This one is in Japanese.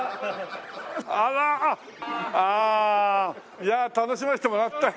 いやあ楽しませてもらったよ。